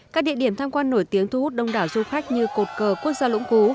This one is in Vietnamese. các địa điểm tham quan nổi tiếng thu hút đông đảo du khách như cột cờ quốc gia lũng cú